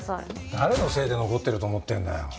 誰のせいで残ってると思ってんだよ。